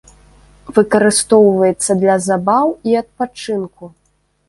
Выкарыстоўваецца для забаў і адпачынку.